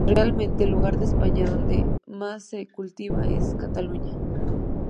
Realmente, el lugar de España donde más se cultiva es Cataluña.